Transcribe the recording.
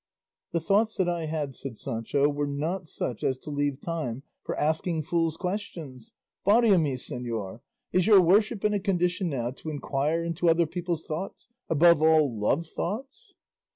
"The thoughts that I had," said Sancho, "were not such as to leave time for asking fool's questions. Body o' me, señor! is your worship in a condition now to inquire into other people's thoughts, above all love thoughts?"